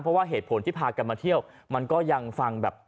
เพราะว่าเหตุผลที่พากันมาเที่ยวมันก็ยังฟังแบบ